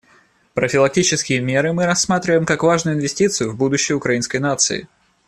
Профилактические меры мы рассматриваем как важную инвестицию в будущее украинской нации.